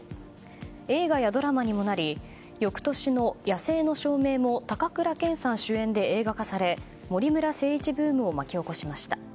映画やドラマにもなり翌年の「野性の証明」も高倉健さん主演で映画化され森村誠一ブームを巻き起こしました。